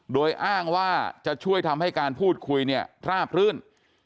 โดยอ้างว่าจะช่วยทำให้การพูดคุยเนี่ยราบรื่น